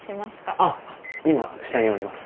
あっ今下におります。